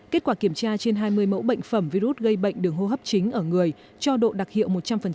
kết quả kiểm tra trên hai mươi mẫu bệnh phẩm virus gây bệnh đường hô hấp chính ở người cho độ đặc hiệu một trăm linh